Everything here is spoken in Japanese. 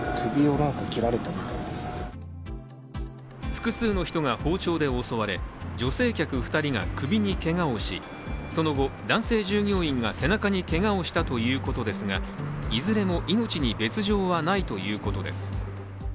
複数の人が包丁で襲われ女性客２人が首にけがをしその後、男性従業員が背中にけがをしたということですが、いずれも命に別状はないということです。